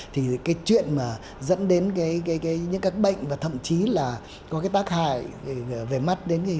thì cái chuyện mà dẫn đến những các bệnh và thậm chí là có cái tác hại về mắt